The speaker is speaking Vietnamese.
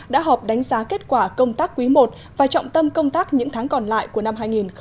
đã họp đánh giá kết quả công tác quý i và trọng tâm công tác những tháng còn lại của năm hai nghìn hai mươi